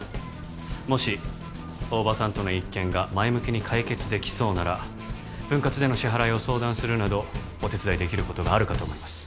もし大庭さんとの一件が前向きに解決できそうなら分割での支払いを相談するなどお手伝いできることがあるかと思います